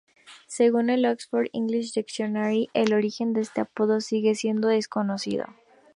Según el "Oxford English Dictionary", el origen de este apodo sigue siendo desconocido.